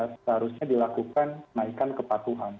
seharusnya dilakukan naikan kepatuhan